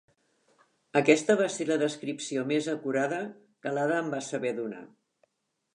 Aquesta va ser la descripció més acurada que l'Ada em va saber donar.